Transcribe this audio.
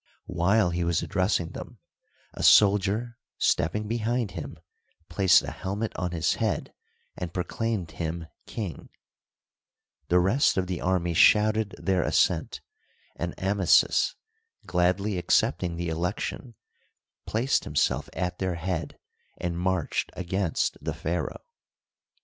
While he was addressing them, a soldier, stepping behind him, Digitized byCjOOQlC I30 HISTORY OF EGYPT, placed a helmet on his head and proclaimed him king. The rest of the army shouted their assent, and Amasis, gladly acceptlng~the election, placed himself at their head and marched against the pharaoh.